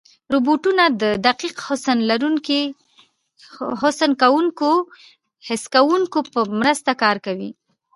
روبوټونه د دقیق حس کوونکو په مرسته کار کوي.